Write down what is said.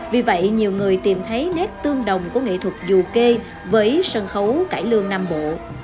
vì vậy nhiều người tìm thấy nét tương đồng của nghệ thuật dù kê với sân khấu cải lương nam bộ